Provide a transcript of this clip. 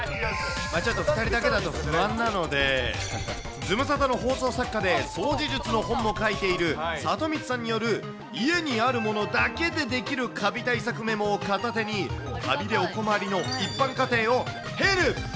ちょっと不安なので、ズムサタの放送作家で掃除術の本も書いているサトミツさんによる、家にあるものだけでできるカビ対策メモを片手に、カビでお困りの一般家庭をヘルプ。